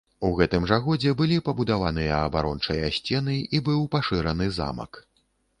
У гэтым жа годзе былі пабудаваныя абарончыя сцены і быў пашыраны замак.